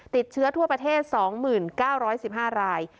ติดเชื้อทั่วประเทศ๒๙๑๕ราย